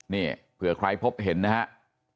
นี่เผื่อใครพบเห็นนะครับ